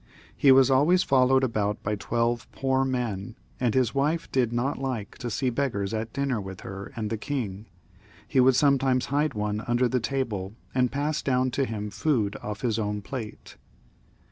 He was always followed about by twelve poor men, and as his wife did not like to see be^ars at dinner with her and the king, he would sometimes hide one under the table and pass down to him food off his o\ni plate.